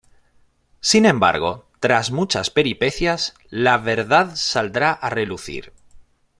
Sin embargo, tras muchas peripecias, la verdad saldrá a relucir.